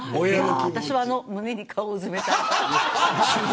私は胸に顔をうずめたい。